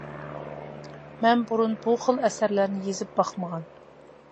مەن بۇرۇن بۇ خىل ئەسەرلەرنى يېزىپ باقمىغان.